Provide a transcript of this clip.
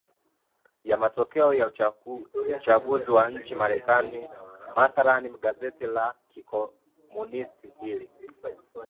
ya matokeo ya uchanguzi wa nchini marekani mathlan gazeti la kikomunisti hili